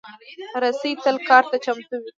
رسۍ تل کار ته چمتو وي.